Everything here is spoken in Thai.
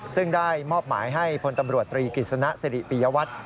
ซึ่งได้มอบหมายให้พลตำรวจตรีกฤษณะสิริปิยวัตร